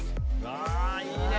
あいいね！